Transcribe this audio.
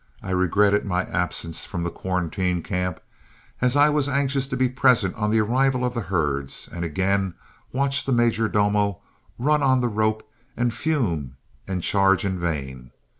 I regretted my absence from the quarantine camp, as I was anxious to be present on the arrival of the herds, and again watch the "major domo" run on the rope and fume and charge in vain.